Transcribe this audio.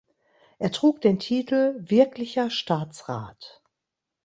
Er trug den Titel Wirklicher Staatsrat.